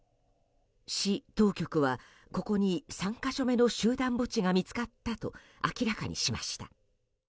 市当局はここに３か所目の集団墓地が見つかったと明らかにしました。